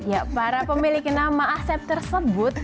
ya para pemilik nama asep tersebut